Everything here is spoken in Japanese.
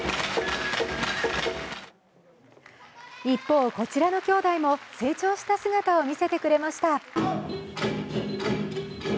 一方、こちらのきょうだいも成長した姿を見せてくれました。